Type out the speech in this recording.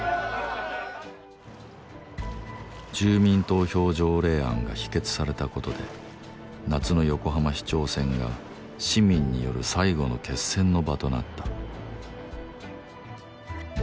住民投票条例案が否決された事で夏の横浜市長選が市民による最後の決戦の場となった。